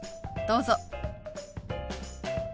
どうぞ。